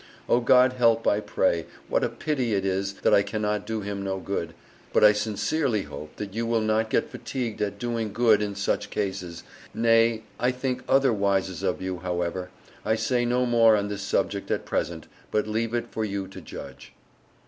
Oh God help I pray, what a pitty it is that I cannot do him no good, but I sincerely hope that you will not get fatigued at doing good in such cases, nay, I think other wises of you, however, I Say no more on this subject at present, but leave it for you to judge.